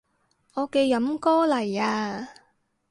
我嘅飲歌嚟啊